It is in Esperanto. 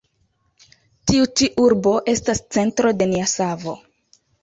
Tiu ĉi urbo estas centro de nia savo.